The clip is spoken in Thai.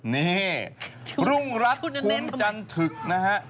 นี่รุงรัฐภูมิจันทึกนะฮะ